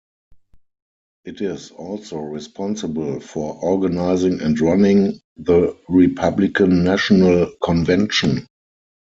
It is also responsible for organizing and running the Republican National Convention.